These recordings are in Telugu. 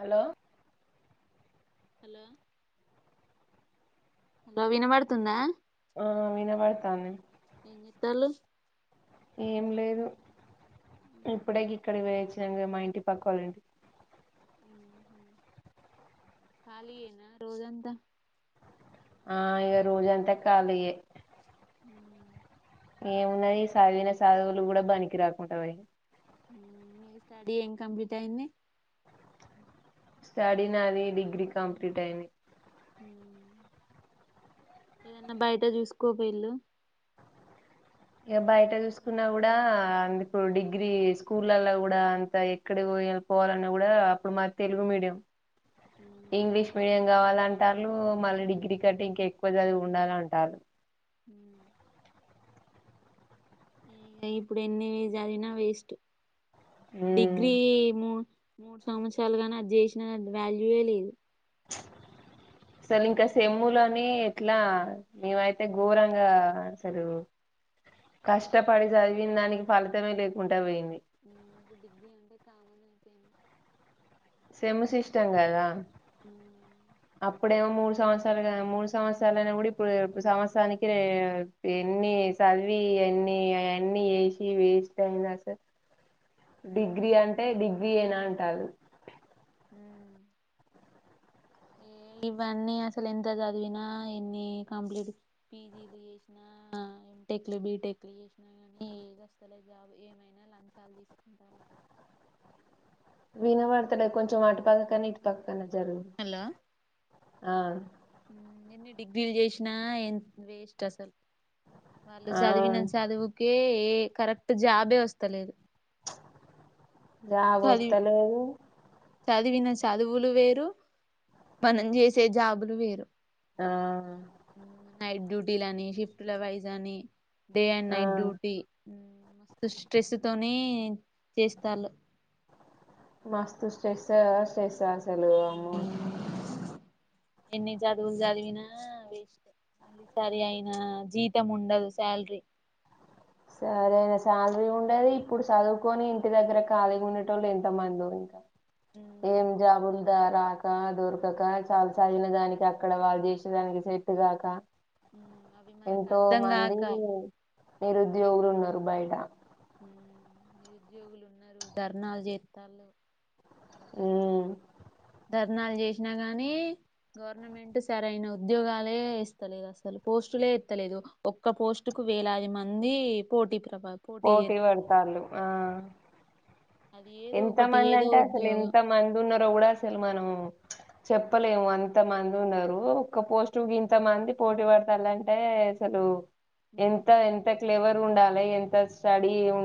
హలో హలో న వినబడుతుంద ఆ వినబడుతాంది తనుస్ ఏం లేదు ఇప్పుడె గీక్కడి పోయి వచ్చిన మా ఇంటి పక్కోళ్ల ఇంటికి ఖాళీ ఏనా రోజంత ఆ ఇగ రోజంత కాలి ఎ హ్మ్ ఏమున్నాయి చదివిన సాధువులు కూడ బనికి రాకుండ పోయినాయి స్టడీ ఏం కంప్లీట్ అయింది స్టడీ నాది డిగ్రీ కంప్లీట్ అయింది ఏదన్నా బయట చూసుకో పోయిళ్ళు ఇక బయట చూసుకున్నా కూడా అందు ఇప్పుడు డిగ్రీ స్కూల్ల్లో కూడా అంత ఎక్కడ పోయి పోవాలన్నా కూడా అప్పుడు మా తెలుగు మీడియం ఇంగ్లీష్ మీడియం కావాలంటారు మళ్ళీ డిగ్రీ కట్టి ఇంకా ఎక్కువ చదివి ఉండాల అంటారు ఇ ఇప్పుడు ఎన్ని చదివిన వేస్ట్ డిగ్రీ ము మూడు సంవత్సరాలుగానీ అది చేసిన అది వాల్యూవే లేదు అసలు ఇంకా సెమ్ములోని ఎట్లా మేమైతే ఘోరంగా అసలు కష్టపడి చదివిన దానికి ఫలితమే లేకుండా పోయింది ఇప్పుడు డిగ్రీ అంటే కామన్ సేమ్ సిస్టం కదా అయిపోయింది అప్పుడేమో మూడు సంవత్సరాలు మూడు సంవత్సరాలు అయినా కూడా ఇప్పుడు సంవత్సరానికి ఎన్ని చదివి ఎన్ని ఎన్ని చెసి వేస్ట్ అయింది అక్క డిగ్రీ అంటే డిగ్రీ ఏనాంటే ంటదు ఇవన్నీ అసలు ఎంత చదివినా ఎన్ని కంప్లీట్ పీజీలు చేసినా ఎటెక్లు బీటెక్లు చేసినా కానీ ఏదిస్తలే జాబ్ ఏమైనా లంచాలు తీసుకుంటాల విన పడతడ కొంచెం ఆటు పక్క కానీ ఇటు పక్క కన జరు హలో ఆ ఎన్ని డిగ్రీలు చేసిన ఎంత వేస్ట్ అసలు వాళ్ళు ఆ చదివిన చదువుకే కరెక్ట్ జాబే వస్తలేదు జా చదివి వస్తతలే చదివిన చదువులు వేరు పనిం చేసే జాబులు వేరు ఆ నాయిట్ డ్యూటీ ని శిఫ్ట్ వైజా అని డే అండ్ ఆ నైట్ డ్యూటీ మ స్ట్రెస్ తోని చేస్తారు మాస్తుస్తు శ్రేష శ్రేషాస్ సలుమ ఎన్ని చదువులు చదివినా వేస్ట్ మళ్ళీ సరి అయినా జీతం ఉండదు శాలరీ సరేనా శాలరీ ఉండేది ఇప్పుడు చదువుకొని ఇంటి దగ్గర ఖాళీగా ఉనేటోళ్ళు ఎంత మంది ఇంకా ఏం జబ రాక దొరకక చాలా చదిైన దానికి అక్కడ వాళ్ళు చేసేదానికి చెట్టు కాక అవి మనకు ఎంతో అర్థం మంది కాక నిరు ఊరు మారి బయట హ్మ్ నిరుద్యోగులు ఉన్నారు ధర్నా జేతలు ఉ ధర్నాలు చేసిన గాని గవర్నమెంట్ సరైన ఉద్యోగాలే ఇస్తలేదు అసలు పోస్టులే ఎత్తలేదు ఒక్క పోస్టు కు వేలాది మంది పోటీ ప్రభ పోటీ చేత్తాళ్ళు పడతాలు ఆ అది ఏదో ఎంత ఒకటి మంది ఏదో అంటే అసలు ఎంత ఉద్యోగం మంది ఉన్నారు ఎ కూడ అస్ తెలమానము చెప్పలేము అంత మంది ఉన్నారు ఒక్క పోస్ట్ గింత మంది పోటీ పడతారుంటే అసలు ఎంత ఎంత క్లేవర్ ఉండాలి ఎంత స్టడీ ఉ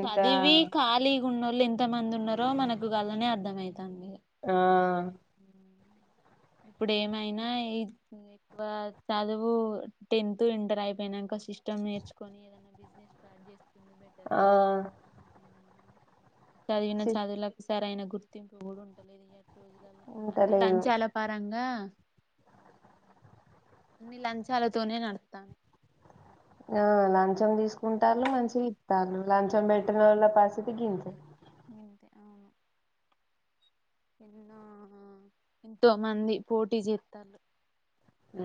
చదివి ఖాలీ న్న వాళ్ళు ఎంత మంది ఉన్నారో మనకు వాళ్నే అర్థమవుతాంది ఆ ఇప్పుడు ఏమైనా ఎక్కువ చదువు టెన్త్ ఇంటర్ అయిపోయినాక, సిస్టమ్ నేర్చుకొని ఏదనా బిజినెస్ స్టార్ట్ చేసు బెటర్ ఆ చదివిన సి- చదువుల సర ఆయన గుర్తింపు కూడా ఉండలేదు రోజుల అన్ని ఉంటలేదు లంచాల గా అన్ని లంచాలతోనే నడస్తానాయి ఆ లంచం తీసుకుంటారు మంచి ఇస్తాలు లాంచం పెటనలా పాసేతే గిం ఇంతే అవును ఎన్నో ఎంతో మంది పోటీ చేస్తారు ఉ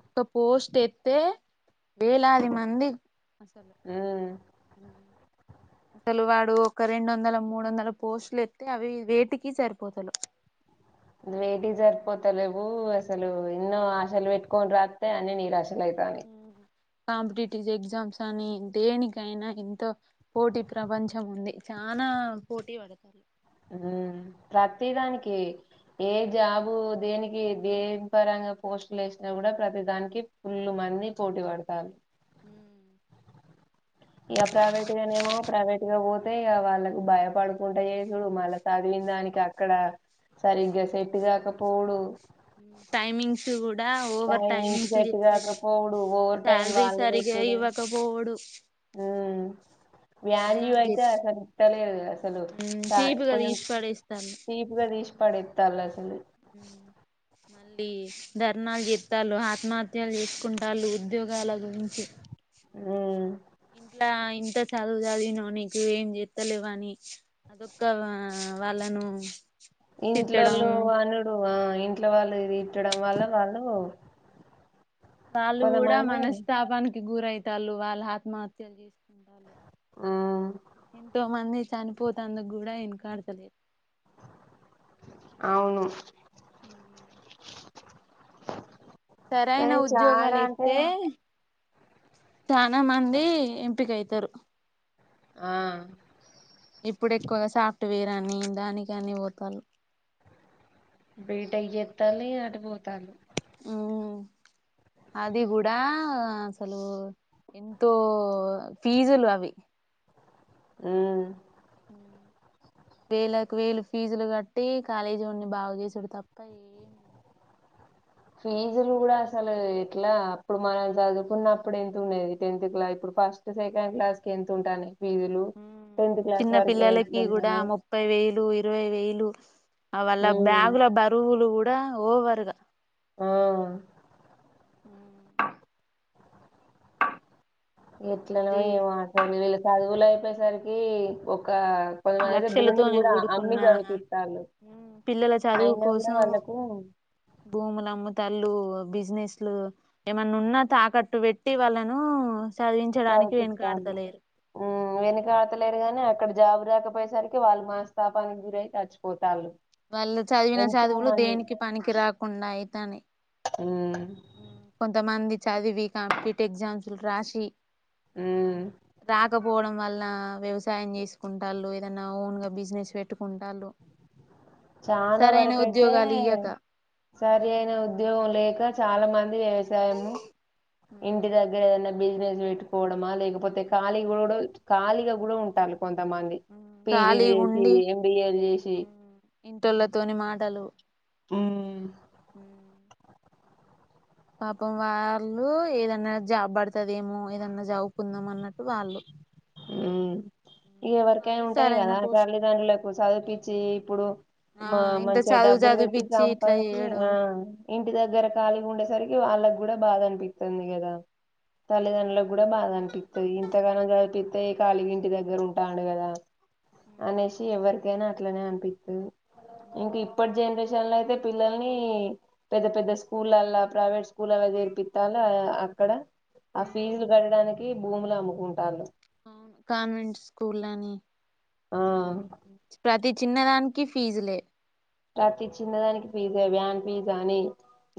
ఒక్క పోస్ట్ ఎత్తే వేలాది మంది అసలు ఉమ్ అసలు వాడు ఒక రెండు వందల మూడు వందల పోస్టులు ఎత్తే అవి వేటికి సరిపోతలేవ్ వేటి జరిపోతలేవు అసలు ఎన్నో ఆశలు వేట్కొన్ రాత్తె అన్ని నిరాశ ఉహు కాంపిటేటివ్ ఎగ్జామ్స్ అని దేనికైనా ఎంతో పోటీ ప్రపంచం ఉంది చానా పోటీ వడి ఊ ప్రతి దానికి ఏ జాబు దేనికి దేని పరంగా పోస్టులు వేసినా కూడా ప్రతి దానికి ఫుల్లు మంది పోటీ పడతరు అంతే ఇగ వాళ్ళకు భయపడుకుంటు చేసుడు మళ్ళ సిదివిన దానికి అక్కడ సరిగ్గా సెట్టు కాకపోవుడు టైమింగ్స్ కూడా ఓవర్ టైమింగ్స్ సేట్టు చేసుడు కాకపోవుడు ఓవర్ టైం శాలరీ వాళ్ళు సరిగా పెట్టుడు ఇవ్వకపోవుడు ఊ వాల్యూ ధర్నాలు అయితే చేసి అసలు ఇత్తలేరూ అసలు చీపుగా కొంచం తీసి పడేస్తాళ్ళు చీప్గా తీసి పడతాల అ డీ ధర్నాలు చెతారు ఆత్మహత్యలు చేసుకుంటళ ఉద్యోగాల గురించి. ఉ ఇంట్లా ఇంత చదువు చదివినో నీకు ఏం చెస్తలేవ అని ఇంక్క వాళ్ళను ఇంట్లోళ తిట్టడం అనుడు ఇట్ల వాళ్లు తిట్టడం వల్ల వాళ్ళు వాళ్ళు కూడా కొంతమంది మనస్తాపాన్ గురైతాలు వాళ్ళు ఆత్మహత్యలు మ్మ్ ఎంతో మంది చనిపోతాడు కూడా ఇనకాడతలే అవును సరైన కానీ చాలా ఉద్యోగాలు అంటే ఇస్తే చనాా మంది ఎంపిక అయితారు ఆ ఇప్పుడు ఎక్కువగా సాఫ్ట్వేర్ అని దానినికి అని పోతారు. బేట ఇ జెతంది అటు పో తలు మ్మ్ అది గూడ అసలు ఎంతో ఫీజులు అవి ఉ వేలకి వేలు ఫీజులు గట్టి కాలేజోన్ని బాగుజెసుడు తప్ప ఏం లే ఫీజులు గుడ అసలు ఎట్లా అప్పుడు మనం చదువుకున్నప్పుడు ఎంత ఉండేది టెన్త్ క్లా ఇప్పుడు ఫస్ట్ సెకండ్ క్లాస్ కి ఎంత ఉంటాది. చిన్న పిల్లలకి గుడ ఎట్లుంటానయి ముప్పై వేలు ఇరవై వేళ్ళు అ వల్ళ మ్మ్ బ్యాగుల బరువులు గు డా ఓవర్ గ ఆ ఎట్లనో మళ్ళీ ఏమో అసలు వీళ్ళ చదువుల సరికీ ఒ ఒక కొంతమంది అయితే భూములు లక్షలతోని గుడా అమ్మి కూడుకున్న చదిపిస్తాంలు పిల్లల చదువు అయినా కూడా కోసం వాళ్ళకు. తల్లు బిజినెస్లు ఏమైన్నా ఉన్నా తాకట్టు వెట్టి వాళ్ళను చదివించడానికి చదిపిస్తాము వెనుకాడతలేరు ఉ వెనుక ఆతలేరు గాని ఇకడ జాబు రాకపోయేసరికి వాళ్ళు మాస్ వాళ్ళు చదివిన ఎంతో చదువులు మంది దేనికి పనికి రాకుండా అయితనై. ఉమ్ చదివి కాంపిటీట్ ఎగ్జామ్షులు రాశి ఆ ఉమ్ రాకపోవడం వల్నా వ్యవ్ సాయం చేసుకుంటాలు ఏదన్నా ఓన్ గా బిజినెస్ పెట్టుకుంటళ్ళు చాలా వరకయితే సరి అయిన ఉద్యోగం లేక చాల మం వ్యవసాయము ఇంటి దగ్గర ఏదన్నా బిజినెస్ వెట్టుకోవడమా లేకపోతే ఖాళీ గూడ ఖాళీగా గూడ ఉంటాలు కొంతమంది పీజీ లు ఖాళీగా జేసీ ఎంబిఏలు జేసీ ఇంటొళ్ళతోని మాటలు ఉమ్ పాపం వాళ్ళు ఏదన్నా జాబ్ బడుతుదేమో ఏదన్నా జావుకుందాం అన్నట్టు వాళ్ళు ఎవరికైనా వాడు ఉంటది సరైన గదా పోస్ట్ తల్లిదండ్రులకు చదిపిచ్చి ఇప్పుడు ఆ మా ఇంత మంచిగ చదువు డబ్బులు వెట్టి చదివిపిచ్చి ఇట్లా సంపాయించి ఆ ఇంటి దగ్గర ఖాళీగా ఉండేసరి వాళ్ళక్ గూడా బాధ అనిపిస్తుంది గదా తల్లిదండ్రులకు గూడ బాధ అ పి ఇంతగానాయిి అయితే కళగి ఇంటి దగ్గర ఉంటాడు కదా అనేసి చేయడం ఎవ్వరికి అే నా అట్లానే అనిపిించతే ఎంక ఇప్పుడు జనరేన్ న్ అయితే పిల్లల్ని పెద్ద పెద్ద స్కూలలా ప్రైవేట్ స్కూల్లా చేర్పిస్తాల అక్కడ ఆ ఫీజులు కట్టడానికి భూములు అమ్ముకుంటారును అవును కాన్వెంట్ స్కూల్ అని ఆ ప్రతి చిన్నదానికి ఫీజులే రాత్రి చిన్నదానికి పిజ్జా వ్యాన్ పిజ్జా అని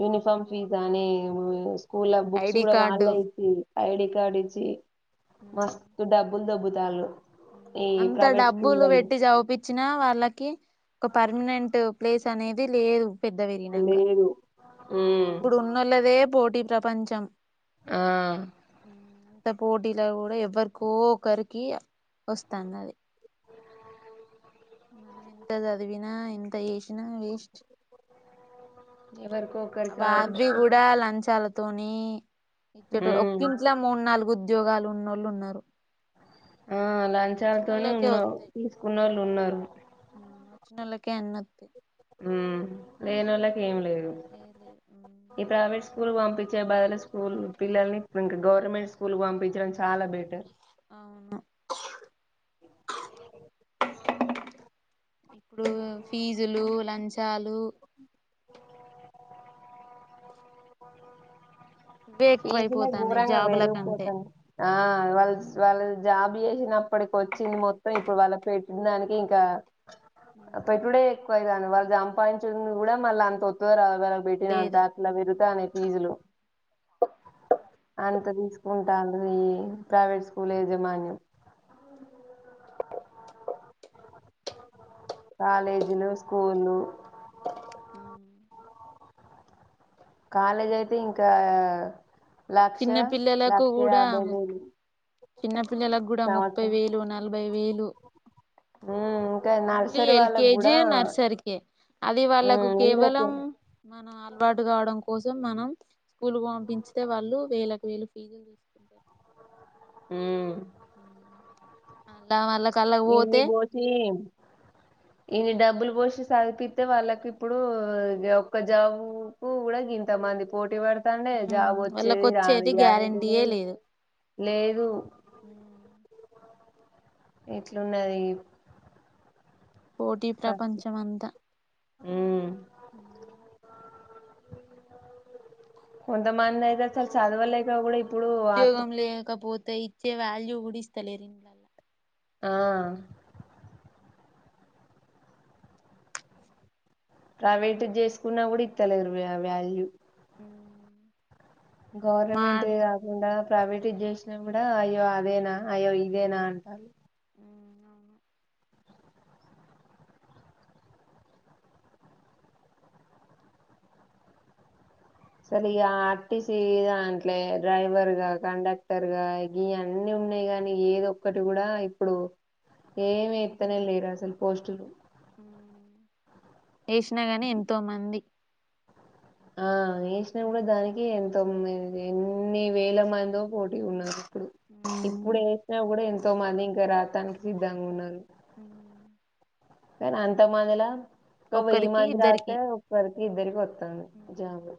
యూనిఫామ్ ఫీజ అని స్కూల్ బుక్స్ ఐడి కూడా వాళ్ళ కార్డు ఇచ్చి ఐడి కార్డ్ ఇచ్చి మస్తు డబ్బ ముుందబుతాలు అంత డబ్బులు పెట్టి చవిపి వచ్చిన వాళ్ళకి ఒక పర్మనెంట్ ప్లేస్ అనేది లేదు పెద్ద వెరిినంగా లేదు ఉమ్ ఇప్పుడు ఉన్న లేదే పోటీ ప్రపంచం ఆ అంత పోటీలో కూడా ఎవ్వరుకో ఒకక్కరికి వస్తాను అది మనం ఎంత చదివినా ఎంత చేసినా వేస్ట్ ఎవరికో అ ఒకరికి బా అబవి అదృష్టం కూడా లంచాల తని ఇ చె హ్మ్ ఒకిట్లా మూడు నాలుగు ఉద్యోగాలు ఉన్నళ్ళు ఉన్నారు ఆ లంచాలతోనే వచ్చినోళ్ళకే ఉన్నావు వస్తాయి తీసుకున్న వాళ్ళు ఉన్నారు నలకి ఎన్నంత లేేని వాళ్ళకి ఏం లేదు ఏ లేదు ఈ ప్రైవేట్ స్ స్కూల్ పంపించే బాలు స్కూల్ పిల్లల్ని ఇంకా గవర్నమెంట్ స్కూల్ పంపించడం చాలా బెటర్ అవును ఇప్పుడు ఫీజులు లంచాలు ఇవే ఫీజులె ఎక్కువైపోతాన్నాయి గోరంగా జాబుల కంటే పెరుగుపోతానాయి ఆ వాళ్ వాళ్ళు జాబ్ చేసినప్పటికి వచ్చింది మొత్తం ఇప్పుడు వాళ్ళ పెట్టిన దానికి ఇంకా అబా ఇప్పుడ ఎక్కువై వాళ్ళ సంపాదించింది కూడా మళ్ళ అంత ఆతదోరాదో వాళ్ళకి పెట్టిన అంత లేదు అట్లా పెరుగుతానాయి ఫీజులు అంత తీసుకుంటాండ్రు ఈ ప్రైవేట్ స్కూల్ యజమాన్యం కాలేజీలు స్కూళ్ళు ఉ కాలేజ్ అయితే ఇంకా లక్ష చిన్న లక్ష యాభై వేలు చిన్నపిల్లలకు గుడా ముప్పై సంవత్సరం వేలు నలభై వేలు ఉమ్ ఇంకా ఓన్లీ నర్సరీ వాళ్ళకి కూడా ఎల్కేజీ నర్సరీకె అది వాళ్ళకు ఉమ్ వీళ్ళకి కేవలం మనం అలవాటు కావడం కోసం మనం స్కూల్ పంపించితే వాళ్ళు వేలకు వేలు ఫీజులు తీసుకుంటారు హ్మ్మ్ అలా వాళ్ళకు ఎన్ని బోషీ ఈన్ని డబ్బులు పోషి చదివిపితే వాళ్ళకి ఇప్పుడు ఒక్క జాబు కు కూడా గ ఇంతమంది పోటీ పెడతాండే జాబ్ వాళ్ళకు వచ్చేది రాని గ్యారెంటీ గ్యారెంటీయే లేదు లేదు హ్మ్మ్ ఇట్లున్నది పోటీ పరిస్థితి ప్రపంచం అంతా హ్మ్మ్ కొంతమందైతే అస్సలు చదవలేదు ఇందులో కూడా ఇప్పుడు ఆ ఉద్యోగం లేకపోతే ఇచ్చే వాల్యూ గుడిస్తలేరూ ఇంట్లన ఆ ప్రైవేట్ ది చేసుకున్నా కూడా ఇ త్తలేరు వాల్యూ మా గవర్నమెంట్ ది కాకుండా ప్రైవేట్ ది చేసినా కూడా అయ్యో అదేనా అయ్యో ఇదేనా అంటారు అసలు ఇ ఆర్టీసీ దాంట్లే డ్రైవర్ గా కండక్టర్ గా గీయి అన్నీ ఉన్నాయి కగాని ఏధోక్కటి కూడా ఇప్పుడు ఏమి ఎత్తనే లేరూ అస్సలు పోస్టు లు ఏష్ణ గాని ఎంతో మంది ఆ చేేసినా కూడా దానికి ఎంత ొమ్ ఎన్ని వేలమయంద పో ఇ ఉన్నారు ఇప్పుడు ఇప్పుడు వేసినా కూడా ఎంత త మళ ఇంకా రాతానికి సిద్ధాంగా ఉన్నాలు కానా అంత మాందిలా ఒక వెయ్యి ఒక్కరికి మంది ఇద్దరికి రాతే ఒకరికి ఇద్దరికి వస్తుంది జాబు